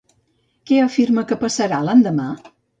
Què afirma que passarà, l'endemà?